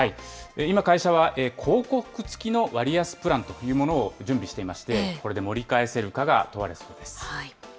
今、会社は広告付きの割安プランというものを準備していまして、これで盛り返せるかが問われそうです。